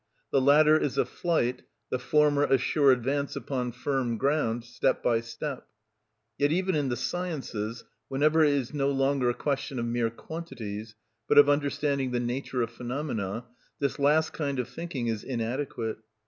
The latter is a flight, the former a sure advance upon firm ground, step by step. Yet even in the sciences, whenever it is no longer a question of mere quantities, but of understanding the nature of phenomena, this last kind of thinking is inadequate.